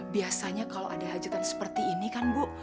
biasanya kalau ada hajatan seperti ini kan bu